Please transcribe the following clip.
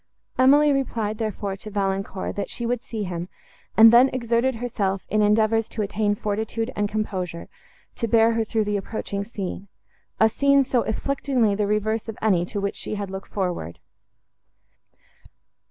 Emily replied, therefore, to Valancourt, that she would see him, and then exerted herself in endeavours to attain fortitude and composure, to bear her through the approaching scene—a scene so afflictingly the reverse of any, to which she had looked forward!